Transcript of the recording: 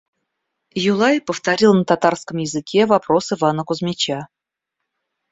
Юлай повторил на татарском языке вопрос Ивана Кузмича.